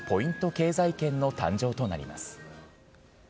経済圏の誕生となります。